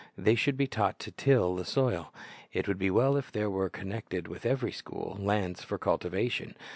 They should be taught to till the soil. It would be well if there were, connected with every school, lands for cultivation.